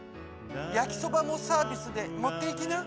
やきそばもサービスでもっていきな！